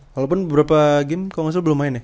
walaupun beberapa game kalo ga salah belum main ya